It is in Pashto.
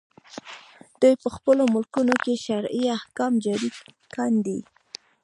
دوی په خپلو ملکونو کې شرعي احکام جاري کاندي.